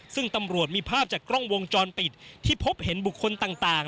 ซึ่งตำรวจมีภาพจากกล้องวงจรปิดที่พบเห็นบุคคลต่าง